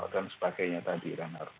dan sebagainya tadi renard